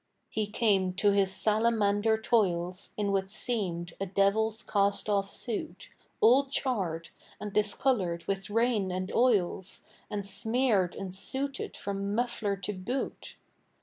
He came to his salamander toils In what seemed a devil's cast off suit, All charred, and discolored with rain and oils, And smeared and sooted from muffler to boot.